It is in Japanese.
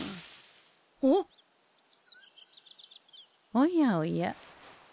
おやおや。